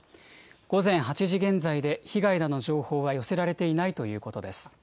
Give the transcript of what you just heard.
午前８時現在で被害の情報は寄せられていないということです。